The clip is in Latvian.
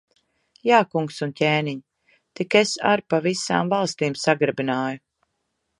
Jā, kungs un ķēniņ! Tik es ar pa visām valstīm sagrabināju.